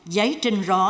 giấy trình rõ